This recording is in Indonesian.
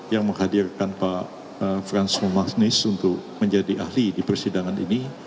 yang menghadirkan pak fransu maghnis untuk menjadi ahli di persidangan ini